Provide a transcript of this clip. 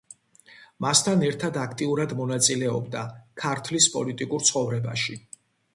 მასთან ერთად აქტიურად მონაწილეობდა ქართლის პოლიტიკურ ცხოვრებაში.